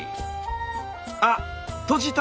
あっ閉じた！